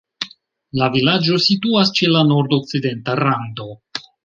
La vilaĝo situas ĉe la nordokcidenta rando.